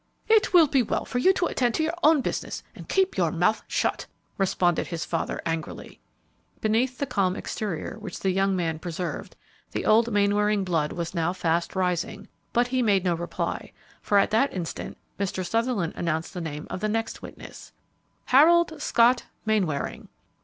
"It will be well for you to attend to your own business and keep your mouth shut!" responded his father, angrily. Beneath the calm exterior which the young man preserved, the old Mainwaring blood was now fast rising, but he made no reply, for at that instant Mr. Sutherland announced the name of the next witness: "Harold Scott Mainwaring!"